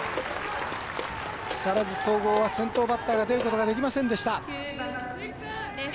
木更津総合は先頭バッターが出ることはできませんでした。